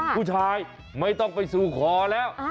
คุณชายไม่ต้องไปสู่ขอแล้ว